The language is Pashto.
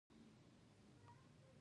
مومن خان هلته چې د مور څخه را رهي شو.